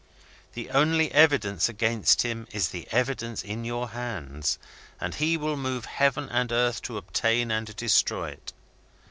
The only evidence against him is the evidence in your hands, and he will move heaven and earth to obtain and destroy it.